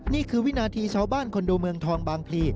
นี่คือวินาทีชาวบ้านคอนโดเมืองทองบางพลี